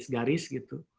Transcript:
rusak garis garis gitu